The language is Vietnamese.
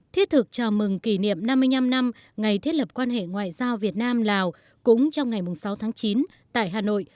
thiết thực chào mừng kỷ niệm năm mươi năm năm ngày thiết lập quan hệ ngoại giao việt nam lào cũng trong ngày sáu tháng chín tại hà nội